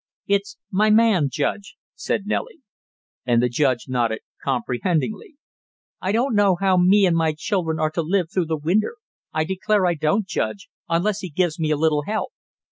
"It's my man, Judge " said Nellie. And the judge nodded comprehendingly. "I don't know how me and my children are to live through the winter, I declare I don't, Judge, unless he gives me a little help!"